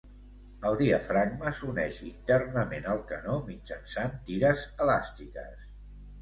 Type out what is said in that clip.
El diafragma s'uneix internament al canó mitjançant tires elàstiques.